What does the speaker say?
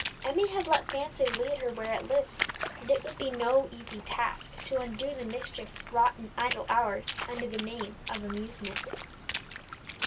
Emmie had let fancy lead her where it list, and it would be no easy task to undo the mischief wrought in idle hours under the name of amusement.